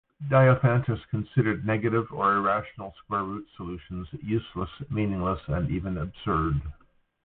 Diophantus considered negative or irrational square root solutions "useless", "meaningless", and even "absurd".